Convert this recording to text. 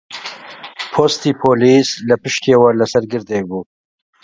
پۆستی پۆلیس لە پشتیەوە لەسەر گردێک بوو